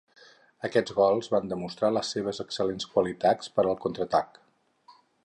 Aquests gols van demostrar les seves excel·lents qualitats per al contraatac.